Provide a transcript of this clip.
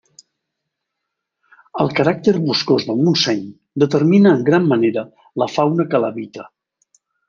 El caràcter boscós del Montseny determina en gran manera la fauna que l'habita.